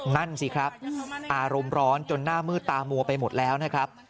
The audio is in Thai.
นั่นสิครับอารมณ์ร้อนจนหน้ามืดตามัวไปหมดแล้วนะครับ